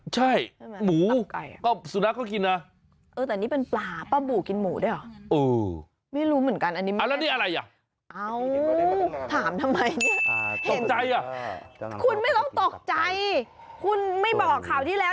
จากปลาแปลกแบบนี้มาแล้ว